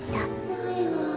ないわ。